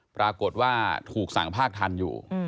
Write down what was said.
ปรากฏว่าถูกสั่งภาคทันอยู่